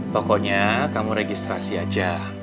pokoknya kamu registrasi aja